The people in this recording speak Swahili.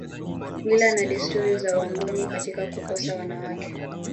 Mila na desturi za wangoni katika kuposa wanawake